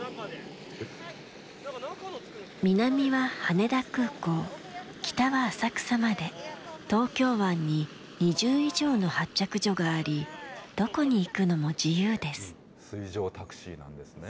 南は羽田空港、北は浅草まで、東京湾に２０以上の発着所があり、水上タクシーなんですね。